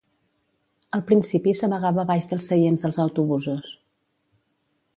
Al principi s'amagava baix dels seients dels autobusos.